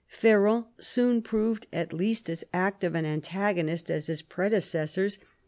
Ferrand soon proved at least as active an antagonist as his predecessors.